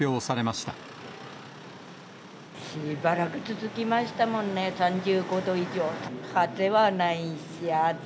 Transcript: しばらく続きましたもんね、３５度以上。